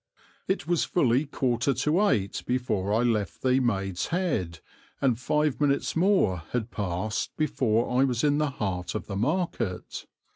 It was fully quarter to eight before I left the "Maid's Head," and five minutes more had passed before I was in the heart of the market.